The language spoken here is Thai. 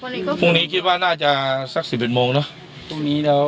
ทีบพรุ่งนี้น่าจะควร๑๑นเนอะ